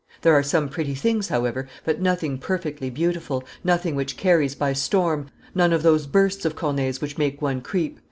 There are some pretty things, however, but nothing perfectly beautiful, nothing which carries by storm, none of those bursts of Corneille's which make one creep.